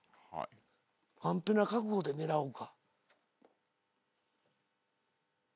ワンペナ覚悟で狙おうか。